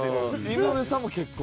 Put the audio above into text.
井上さんも結婚。